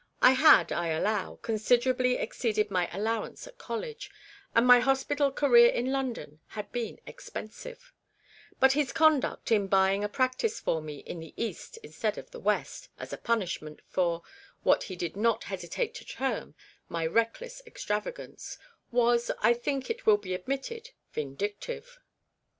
I had, I allow, considerably ex ceeded my allowance at college, and my hos pital career in London had been expensive ; but his conduct in buying a practice for me in the east instead of the west, as a punishment for, what he did not hesitate to term, my reckless extravagance, was, I think it will be admitted, vindictive.